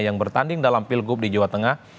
yang bertanding dalam pilgub di jawa tengah